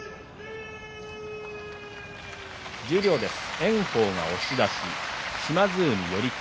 十両です。